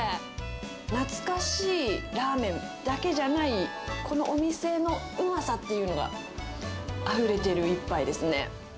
懐かしいラーメンだけじゃない、このお店のうまさっていうのがあふれている一杯ですね。